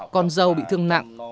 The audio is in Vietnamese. con dâu bị thương nặng